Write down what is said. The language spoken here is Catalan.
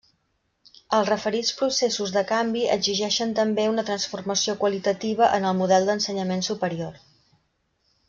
Els referits processos de canvi exigeixen també una transformació qualitativa en el model d’ensenyament superior.